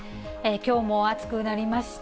きょうも暑くなりました。